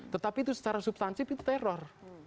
tetapi itu secara substansif itu teror